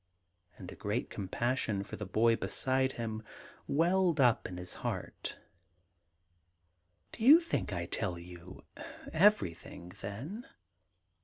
And a great compassion for the boy beside him welled up in his heart * Do you think I tell you everything, then